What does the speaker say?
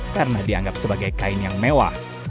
karena dianggap sebagai kain yang mewah